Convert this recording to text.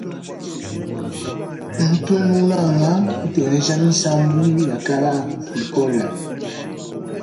Ntu munanga kuteleja misambu ya kala bikola.